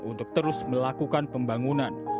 untuk terus melakukan pembangunan